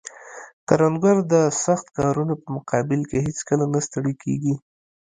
کروندګر د سخت کارونو په مقابل کې هیڅکله نه ستړی کیږي